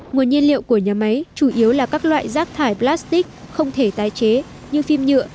nguồn nhiên liệu của nhà máy chủ yếu là các loại rác thải plastic không thể tái chế như phim nhựa